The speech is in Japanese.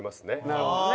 なるほどね。